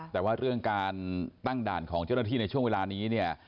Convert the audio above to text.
แต่ว่าเรื่องการตั้งด่านของเจ้าหน้าที่ในช่วงเวลานี้เนี่ย